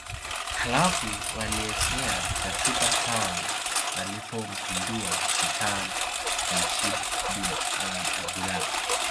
Halafu walielekea Zanzibar Town walipompindua Sultani Jamshid bin Abdullah